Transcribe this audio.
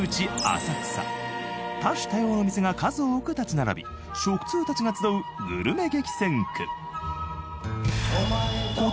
浅草多種多様な店が数多く立ち並び食通たちが集うグルメ激戦区